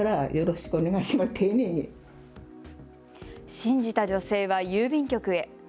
信じた女性は郵便局へ。